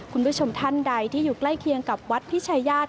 คุณผู้ชมท่านใดที่อยู่ใกล้เคียงกับวัดพิชายาศ